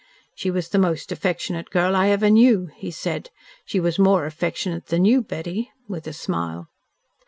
"She was the most affectionate girl I ever knew," he said. "She was more affectionate than you, Betty," with a smile.